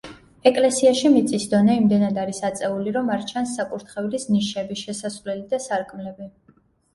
ეკლესიაში მიწის დონე იმდენად არის აწეული, რომ არ ჩანს საკურთხევლის ნიშები, შესასვლელი და სარკმლები.